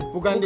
bukan di sini